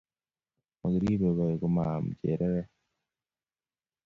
Mokiribei bai komaam cherere